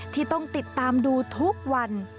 ที่ต้องติดตามดูทุกวัน